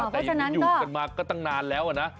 แต่อย่างนี้อยู่กันมาก็ตั้งนานแล้วนะ